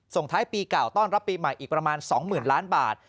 ส่งท้ายปีเก่าต้อนรับปีใหม่อีกประมาณ๒๐๐๐ล้านบาท